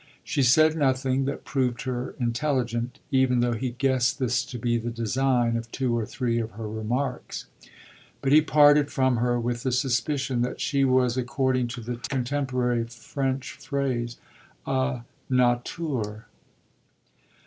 She said nothing that proved her intelligent, even though he guessed this to be the design of two or three of her remarks; but he parted from her with the suspicion that she was, according to the contemporary French phrase, a "nature."